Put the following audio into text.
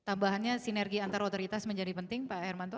dan tambahannya sinergi antar otoritas menjadi penting pak hermanto